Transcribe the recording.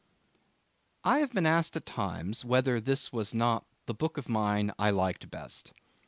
I have been asked at times whether this was not the book of mine I liked best.